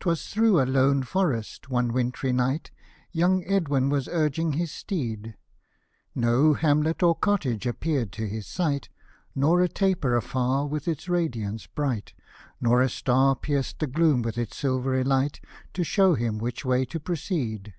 'TwAs through a lone forest, one winterly night, Young Edwin was urging his steed ; No hamlet or cottage appear'd to his sight, Nor a taper afar with its radiance bright, Nor a star pierced the gloom with its silvery light, To show him which way to proceed.